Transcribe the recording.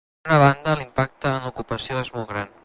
Per una altra banda, l’impacte en l’ocupació és molt gran.